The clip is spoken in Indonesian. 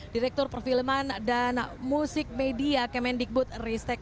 direktur perfilman dan musik media kemendikbud ristek